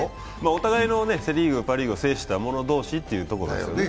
お互いのセ・リーグ、パ・リーグを制した者同士ということですね。